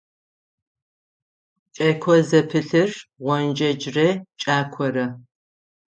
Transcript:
Кӏэко зэпылъыр – гъончэджрэ кӏакорэ.